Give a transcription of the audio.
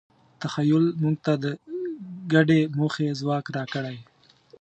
تخیل موږ ته د ګډې موخې ځواک راکړی.